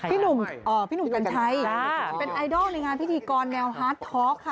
พี่หนุ่มกัญชัยเป็นไอดอลในงานพิธีกรแนวฮาร์ดท็อกค่ะ